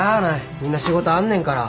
みんな仕事あんねんから。